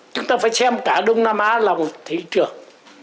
chúng ta phải xem cả đông nam á là một thị trường